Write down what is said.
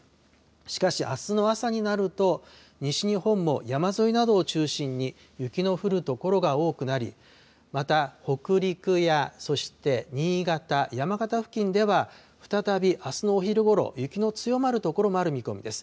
しかし、あすの朝になると、西日本も山沿いなどを中心に雪の降る所が多くなり、また、北陸やそして新潟、山形付近では、再びあすのお昼ごろ、雪の強まる所もある見込みです。